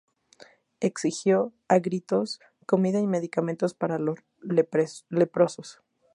Exigió, a gritos, comida y medicamentos para los leprosos.